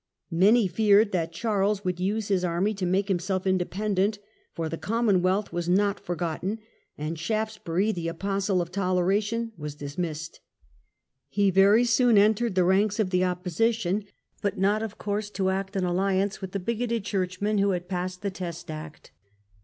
Many feared that Charles would use his army to make himself independent, for the Common wealth was not forgotten ; and Shaftesbury, the apostle of toleration, was dismissed. He very soon entered the ranks of the opposition, but not, of course, to act in alliance with the bigoted Churchmen who had passed the Test Act.